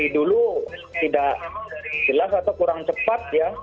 jelas atau kurang cepat ya